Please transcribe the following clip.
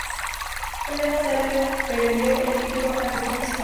Un mes más tarde perdió el título ante Toni Storm.